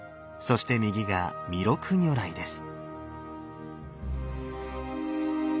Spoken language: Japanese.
そして右が弥勒如来です。